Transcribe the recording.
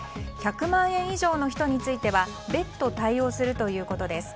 １００万円以上の人については別途対応するということです。